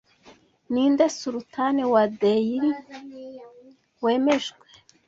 Ninde Sultan wa Delhi wemejwe